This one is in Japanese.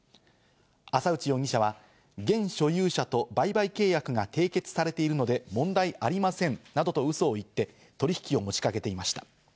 浅内容疑者は現所有者と売買契約が締結されているので問題ありませんなどとうそを言って、取引を持ちかけていました。